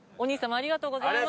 ありがとうございます。